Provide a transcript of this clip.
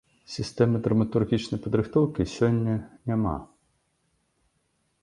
Сістэмы драматургічнай падрыхтоўкі сёння няма.